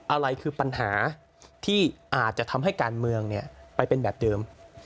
อะไรคือปัญหาที่อาจจะทำให้การเมืองไปเป็นแบบเดิม